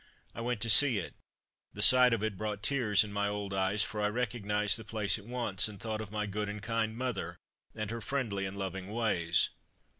I went to see it the sight of it brought tears in my old eyes, for I recognised the place at once, and thought of my good and kind mother, and her friendly and loving ways.